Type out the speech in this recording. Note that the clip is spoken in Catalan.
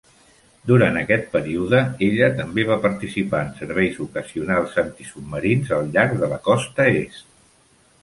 Durant aquest període, ella també va participar en serveis ocasionals antisubmarins al llarg de la costa Est.